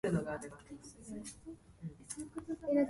The theatre reopened with "West Side Story" a year later.